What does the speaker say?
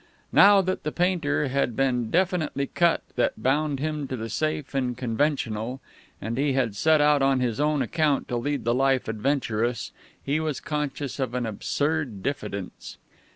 Now that the painter had been definitely cut that bound him to the safe and conventional, and he had set out on his own account to lead the life adventurous, he was conscious of an absurd diffidence.